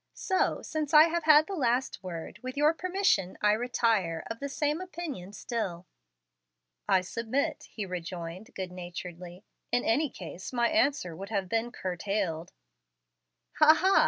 So, since I have had the last word, with your permission, I retire 'of the same opinion still.'" "I submit," he rejoined, good naturedly. "In any case my answer would have been CURTAILED" "Ha, ha!"